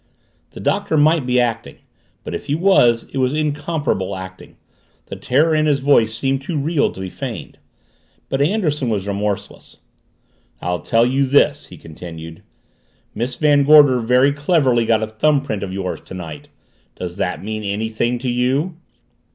The Doctor might be acting, but if he was, it was incomparable acting. The terror in his voice seemed too real to be feigned. But Anderson was remorseless. "I'll tell you this," he continued. "Miss Van Gorder very cleverly got a thumbprint of yours tonight. Does that mean anything to you?"